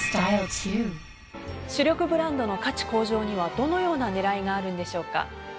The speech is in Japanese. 主力ブランドの価値向上にはどのような狙いがあるんでしょうか？